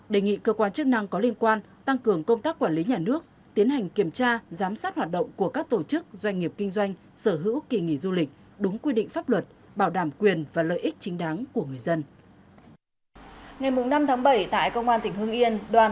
đề nghị cơ quan chức năng có liên quan tăng cường công tác quản lý nhà nước tiến hành kiểm tra giám sát hoạt động của các tổ chức doanh nghiệp kinh doanh sở hữu kỳ nghỉ du lịch đúng quy định pháp luật bảo đảm quyền và lợi ích chính đáng của người dân